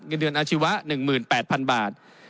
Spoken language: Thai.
เงินเดือนอาชีวะ๑๘๐๐๐บาท